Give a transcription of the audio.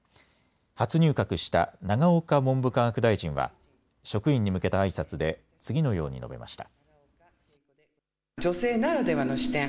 初入閣した永岡文部科学大臣は職員に向けたあいさつで次のように述べました。